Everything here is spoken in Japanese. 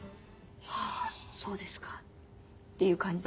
はあそうですかっていう感じ。